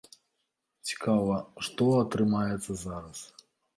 Цікава, што атрымаецца зараз.